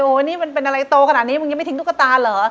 โอ้โหนี่มันเป็นอะไรโตขนาดนี้มึงยังไม่ทิ้งตุ๊กตาเหรอ